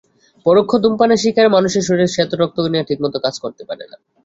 পরোক্ষ ধূমপানের শিকার মানুষের শরীরের শ্বেত রক্তকণিকা ঠিকমতো কাজ করতে পারে না।